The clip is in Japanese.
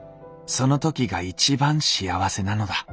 その時が一番幸せなのだ。